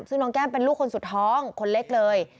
ซึ่งน้องแก้มเป็นลูกคนสุดท้องคนเล็กเลย